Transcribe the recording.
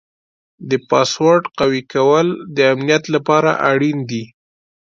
د پاسورډ قوي کول د امنیت لپاره اړین دي.